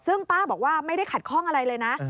ซึ่งป้าบอกว่าไม่ได้ขัดข้องอะไรเลยนะ